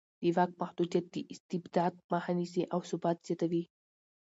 د واک محدودیت د استبداد مخه نیسي او ثبات زیاتوي